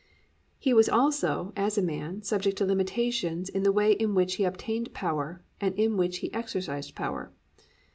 3. _He was also, as a man, subject to limitations in the way in which He obtained power and in which He exercised power.